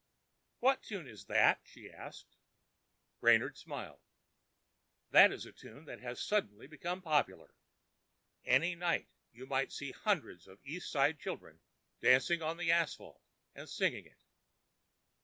"What tune is that?" she asked. Brainard smiled. "That is a tune that has suddenly become popular. Any night you may see hundreds of East Side children dancing on the asphalt and singing it."